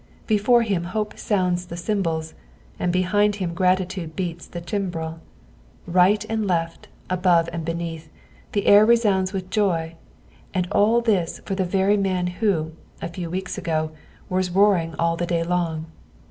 Before him hope sounds the cymbals, and behind him gratitude beats the tim breL Bight and left, above and beneath, the air resounds with joy, and all this for the very man who, a few weeks ago, was roaring all the day long.